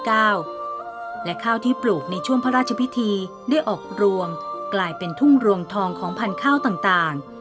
และข้าวที่ปลูกในช่วงพระราชพิธีได้ออกรวงกลายเป็นทุ่งรวงทองของพันธุ์ข้าวต่าง